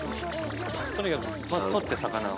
とにかくまずとって魚を。